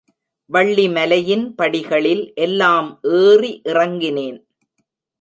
வள்ளிமலையின் படிகளில் எல்லாம் ஏறி இறங்கினேன்.